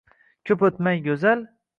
Ko'p o‘tmay go‘zal